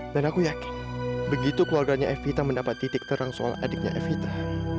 dan aku yakin begitu keluarganya evita mendapat titik terang soal adiknya evita